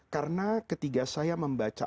karena ketika saya membaca